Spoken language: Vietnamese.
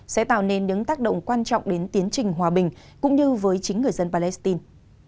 sẽ tạo nên những tác động quan trọng đến tiến trình hòa bình cũng như với chính người dân palestine